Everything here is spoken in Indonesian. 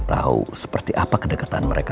tahu seperti apa kedekatan mereka